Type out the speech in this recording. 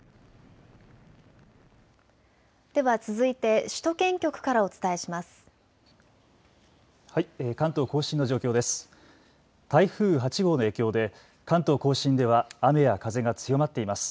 では続いて首都圏局からお伝えします。